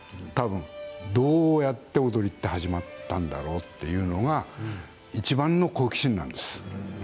たぶんどうやって踊りは始まったんだろうというのがいちばんの好奇心なんです。